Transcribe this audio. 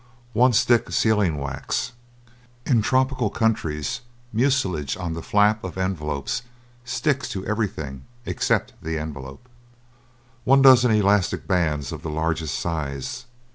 One stick sealing wax. In tropical countries mucilage on the flap of envelopes sticks to everything except the envelope. One dozen elastic bands of the largest size.